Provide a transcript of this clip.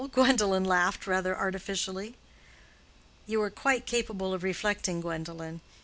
Gwendolen laughed rather artificially. "You are quite capable of reflecting, Gwendolen.